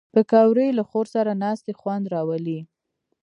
پکورې له خور سره ناستې خوند راولي